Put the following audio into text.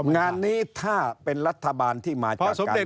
งานนี้ถ้าเป็นรัฐบาลที่มาจากสมเด็จ